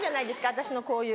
私のこういう。